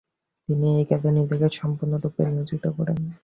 তিনি এই কাজে নিজেকে সম্পূর্ণরূপে নিয়োজিত করেন।